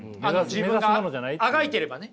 自分があがいてればね。